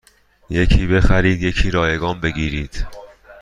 یکی بخرید یکی رایگان بگیرید